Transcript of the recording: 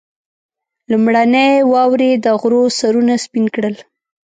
لومړنۍ واورې د غرو سرونه سپين کړل.